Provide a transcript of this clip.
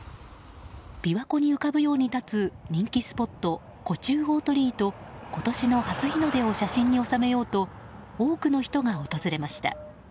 琵琶湖に浮かぶように立つ人気スポット、湖中大鳥居と今年の初日の出を写真に収めようと多くの人が訪れました。